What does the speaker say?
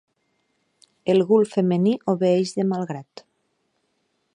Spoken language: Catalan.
El gul femení obeeix de mal grat.